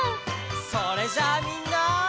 それじゃあみんな！